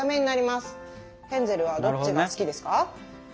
ヘンゼルはどっちが好きですか？